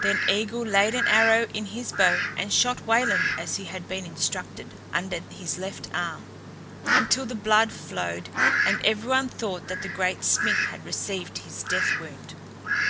Then Eigil laid an arrow in his bow and shot Wayland as he had been instructed, under his left arm, until the blood flowed and everyone thought that the great smith had received his death wound.